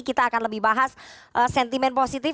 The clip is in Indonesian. kita akan lebih bahas sentimen positif